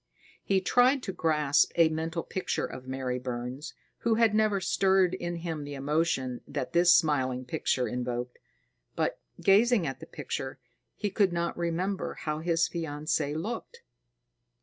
He tried to grasp a mental picture of Mary Burns, who had never stirred in him the emotion that this smiling picture invoked. But, gazing at the picture, he could not remember how his fiancée looked.